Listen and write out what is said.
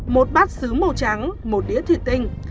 một bát xứ màu trắng một đĩa thủy tinh